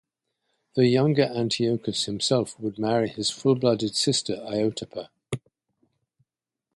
The younger Antiochus himself would marry his full-blooded sister Iotapa.